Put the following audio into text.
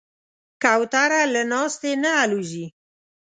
کوتره له ناستې نه الوزي.